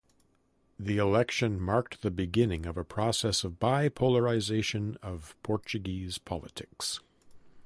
The election marked the beginning of a process of bi-polarization of Portuguese politics.